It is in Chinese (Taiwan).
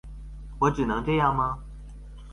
我只能這樣嗎？